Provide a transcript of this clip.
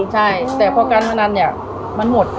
ใช่แต่พอการพนันเนี่ยมันหมด